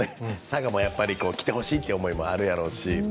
佐賀もやっぱり来てほしいという気持ちもあるやろうし。